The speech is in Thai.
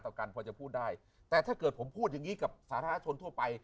กันพอจะพูดได้แต่ถ้าเกิดผมพูดอย่างงี้กับสาธารณชนทั่วไป